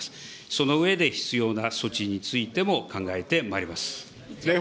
その上で必要な措置についても考えてまいります。